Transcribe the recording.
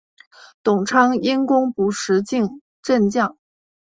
董昌因功补石镜镇将。